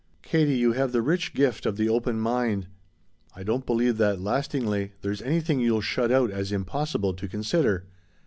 "Katie, you have the rich gift of the open mind. I don't believe that, lastingly, there's anything you'll shut out as impossible to consider.